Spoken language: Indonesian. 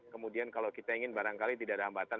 kemudian kalau kita ingin barangkali tidak ada hambatan